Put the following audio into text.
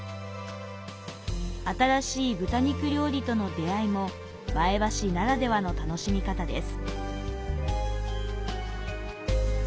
新しい豚肉料理との出合いも前橋ならではの楽しみ方です。